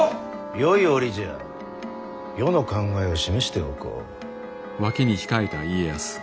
よい折じゃ余の考えを示しておこう。